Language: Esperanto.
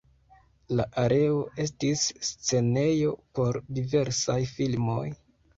La areo estis scenejo por diversaj filmoj.